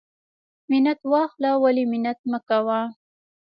منت واخله ولی منت مکوه.